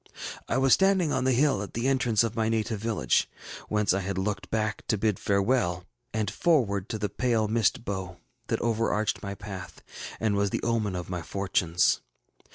ŌĆ£I was standing on the hill at the entrance of my native village, whence I had looked back to bid farewell, and forward to the pale mist bow that overarched my path, and was the omen of my fortunes.